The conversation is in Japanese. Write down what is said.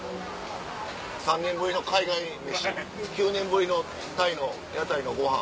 ３年ぶりの海外飯９年ぶりのタイの屋台のご飯。